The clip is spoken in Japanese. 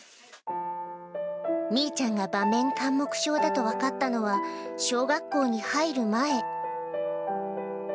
みいちゃんが場面緘黙症だと分かったのは、小学校に入る前。